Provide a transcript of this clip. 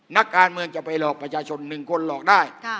นักการเมืองจะไปหลอกประชาชน๑คนหลอกได้